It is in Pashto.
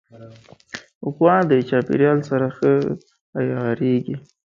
غوا د چاپېریال سره ښه عیارېږي.